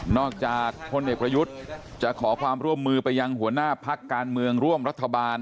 จากพลเอกประยุทธ์จะขอความร่วมมือไปยังหัวหน้าพักการเมืองร่วมรัฐบาล